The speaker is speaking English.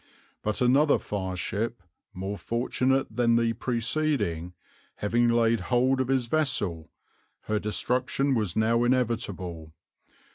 But another fireship, more fortunate than the preceding, having laid hold of his vessel, her destruction was now inevitable.